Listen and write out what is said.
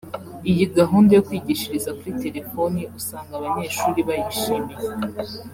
Iyi gahunda yo kwigishiriza kuri terefoni usanga abanyeshuri bayishimiye